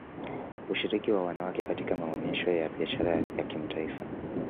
Ushiriki wa wanawake katika maonesho ya Biashara ya kimataifa